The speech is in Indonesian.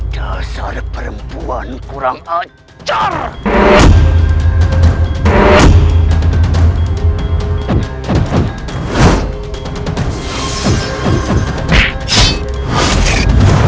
dasar perempuan kurang ajar